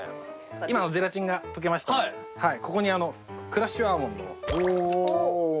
今ゼラチンが溶けましたのでここにクラッシュアーモンドを入れて。